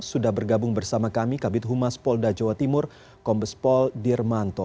sudah bergabung bersama kami kabit humas polda jawa timur kombespol dirmanto